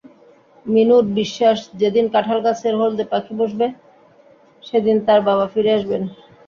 মিনুর বিশ্বাস, যেদিন কাঁঠালগাছে হলদে পাখি বসবে, সেদিন তার বাবা ফিরে আসবেন।